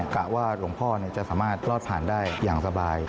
กะว่าหลวงพ่อจะสามารถรอดผ่านได้อย่างสบาย